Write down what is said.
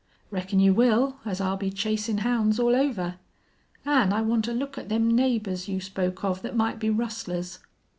"Reckon you will, as I'll be chasin' hounds all over. An' I want a look at them neighbors you spoke of that might be rustlers....